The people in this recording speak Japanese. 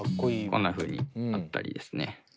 こんなふうにあったりですね